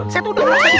saya tuh udah bantuin